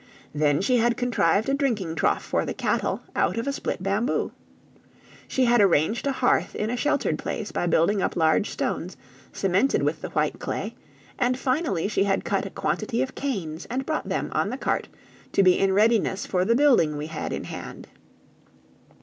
Then she had contrived a drinking trough for the cattle out of a split bamboo. She had arranged a hearth in a sheltered place by building up large stones, cemented with the white clay; and, finally, she had cut a quantity of canes and brought them, on the cart, to be in readiness for the building we had in hand.